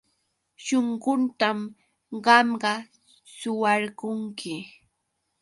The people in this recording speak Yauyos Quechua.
Shunquytam qamqa suwarqunki.